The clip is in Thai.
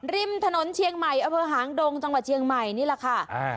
ริมถนนเชียงใหม่อำเภอหางดงจังหวัดเชียงใหม่นี่แหละค่ะ